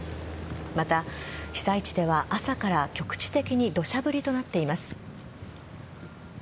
また、被災地では朝から局地的に土砂降りとなっています。